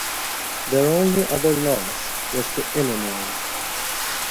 Their only other loss was to Illinois.